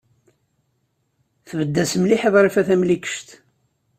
Tbedded-as mliḥ i Ḍrifa Tamlikect.